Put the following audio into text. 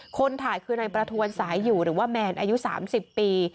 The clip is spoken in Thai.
คนถ่ายคือนายประทวนสายอยู่หรือว่าแมนอายุ๓๐ปี